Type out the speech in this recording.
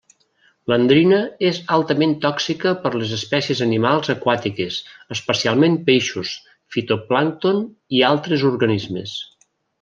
L'endrina és altament tòxica per les espècies animals aquàtiques, especialment peixos, fitoplàncton i altres organismes.